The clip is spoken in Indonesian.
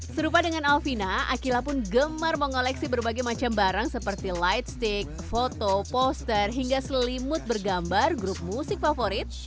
serupa dengan alvina akila pun gemar mengoleksi berbagai macam barang seperti lightstick foto poster hingga selimut bergambar grup musik favorit